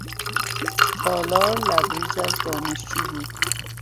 تالار لبریز از دانشجو بود.